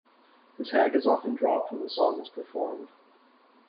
The tag is often dropped when the song is performed.